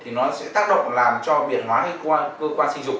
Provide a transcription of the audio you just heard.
thì nó sẽ tác động làm cho biển hóa cơ quan sinh dục